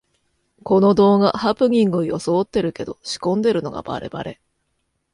この動画、ハプニングをよそおってるけど仕込んでるのがバレバレ